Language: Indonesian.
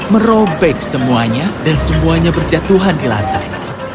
merobek semuanya dan semuanya berjatuhan di lantai